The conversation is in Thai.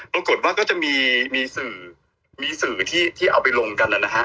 ปรากฏว่าก็จะมีสื่อที่เอาไปลงกันอะนะฮะ